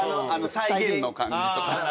再現の感じとか。